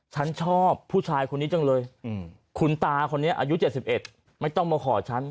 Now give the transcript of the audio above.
ฉันชอบผู้ชายคนนี้จังเลยคุณตาคนนี้อายุ๗๑ไม่ต้องมาขอฉัน